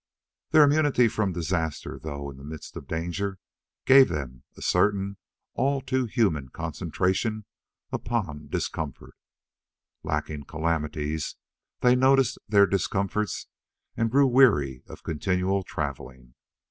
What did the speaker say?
Their immunity from disaster though in the midst of danger gave them a certain all too human concentration upon discomfort. Lacking calamities, they noticed their discomforts and grew weary of continual traveling.